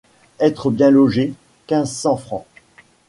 Être bien logé! quinze cents francs !